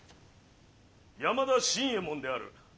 山田新右衛門である。